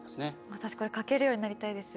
私これ書けるようになりたいです。